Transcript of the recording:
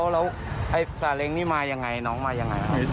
แล้วทราเร็งมาอย่างไรน้องมาอย่างไร